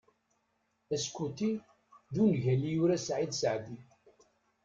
"Askuti" d ungal i yura Saɛid Saɛdi.